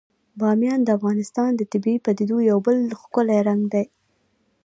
بامیان د افغانستان د طبیعي پدیدو یو بل ښکلی رنګ دی.